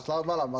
selamat malam bang